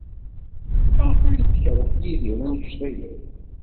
Maɣef ay tekṛeh Yidir anect-a akk?